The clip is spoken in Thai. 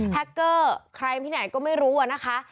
แคคเกอร์ใครที่ไหนก็ไม่รู้อะนะคะ